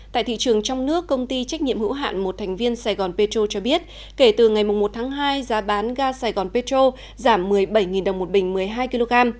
tại thị trường trong nước công ty trách nhiệm hữu hạn một thành viên sài gòn petro cho biết kể từ ngày một tháng hai giá bán ga sài gòn petro giảm một mươi bảy đồng một bình một mươi hai kg